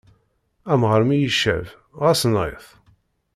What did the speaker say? Amɣaṛ mi yecab, xas enɣ-it.